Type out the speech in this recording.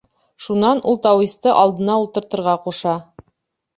Шунан ул тауисты алдына ултыртырға ҡуша.